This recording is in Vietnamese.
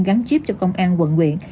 gắn chiếp cho công an quận huyện